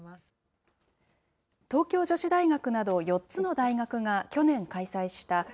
東京女子大学など、４つの大学が去年開催した